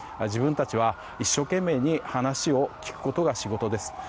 自分たちは一生懸命に話を聞くことが仕事です。